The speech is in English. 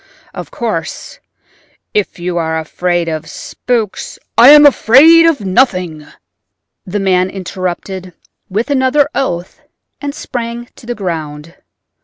Of course if you are afraid of spooks—" "I am afraid of nothing," the man interrupted with another oath, and sprang to the ground.